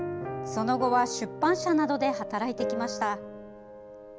その後は出版社などで働いてきました。